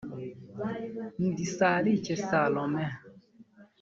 Nirisarike Salomon